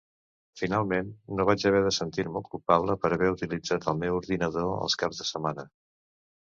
Finalment, no vaig haver de sentir-me culpable per haver utilitzat el meu ordinador els caps de setmana.